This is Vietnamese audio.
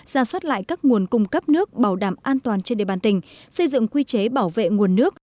ra soát lại các nguồn cung cấp nước bảo đảm an toàn trên địa bàn tỉnh xây dựng quy chế bảo vệ nguồn nước